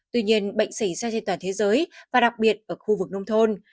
tuy nhiên bệnh xảy ra trên toàn thế giới và đặc biệt ở khu vực nông thôn